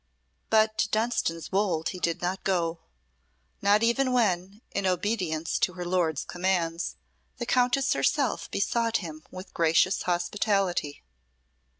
But to Dunstan's Wolde he did not go not even when, in obedience to her lord's commands, the Countess herself besought him with gracious hospitality.